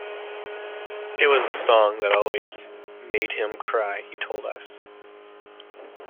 It was a song that always made him cry, he told us.